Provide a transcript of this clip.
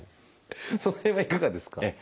その辺はいかがですか？